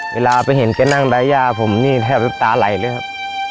เวลาไปเห็นแกนั่งดายาผมนี่แทบน้ำตาไหลเลยครับ